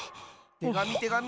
てがみてがみ！